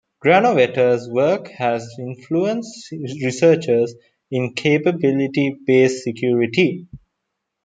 Granovetter's work has influenced researchers in capability-based security.